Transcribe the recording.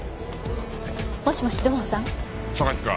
もしもし土門さん？